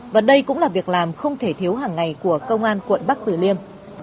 và đây cũng là việc làm không thể thiếu hàng ngày của công an quận bắc tử liêm